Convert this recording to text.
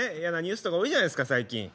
嫌なニュースとか多いじゃないですか最近。